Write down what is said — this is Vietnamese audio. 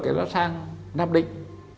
thì nó sang nam định